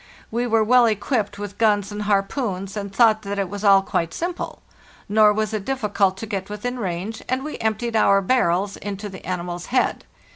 We were well equipped with guns and harpoons, and thought that it was all quite simple. Nor was it difficult to get within range, and we emptied our barrels into the animal's head.